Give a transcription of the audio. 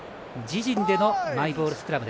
自陣でのマイボールスクラム。